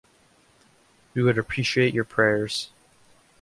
We would appreciate your prayers.